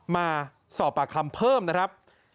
มาสอบปากคำเพิ่มนะครับ